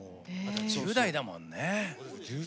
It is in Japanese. １０代だもんね。